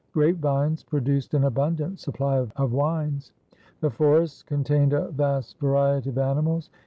Grape vines produced an abundant supply of wines. The forests contained a vast variety of animals.